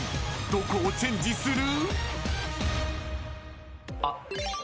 どこをチェンジする？］